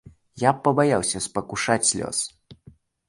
Я б пабаялася спакушаць лёс.